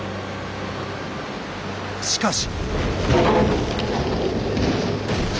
しかし。